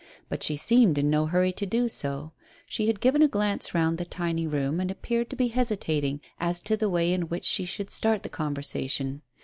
But she seemed in no hurry to do so; she had given a glance round the tiny room, and appeared to be hesitating as to the way in which she should start the conversation.